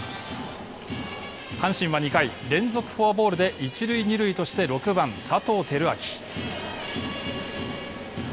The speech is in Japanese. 阪神は２回連続フォアボールで一塁二塁として６番、佐藤輝明。